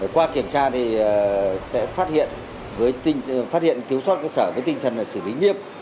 qua kiểm tra thì sẽ phát hiện thiếu sót cơ sở với tinh thần là xử lý nghiêm